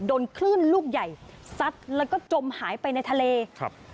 โดนคลื่นลูกใหญ่ซัดแล้วก็จมหายไปในทะเลครับ